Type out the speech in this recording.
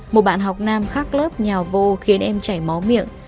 một bạn học nam khắc lớp nhào vô khiến em chảy máu miệng